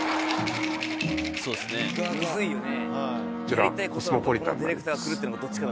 そうですね。むずいよね。